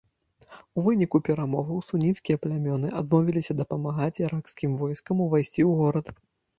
У выніку перамоваў суніцкія плямёны адмовіліся дапамагаць іракскім войскам увайсці ў горад.